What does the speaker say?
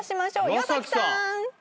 岩崎さん。